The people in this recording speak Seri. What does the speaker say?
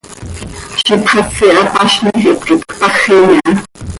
Ziix ipxasi hapaznij hipquij cpajim iha.